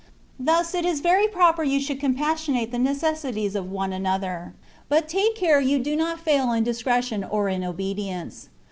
39 Thus, it is very proper you should compassionate the necessities of one another ; but take care you do not fail in discretion or in obedience.